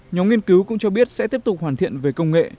nhóm nghiên cứu cũng cho biết sẽ tiếp tục hoàn thiện về công nghệ